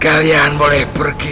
kalian boleh pergi